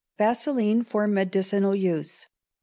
Vaseline for Medicinal Use.